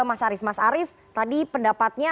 mas arief mas arief tadi pendapatnya